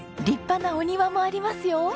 立派なお庭もありますよ。